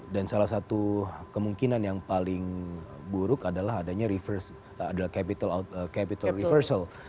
dan salah satu kemungkinan yang paling buruk adalah adanya capital reversal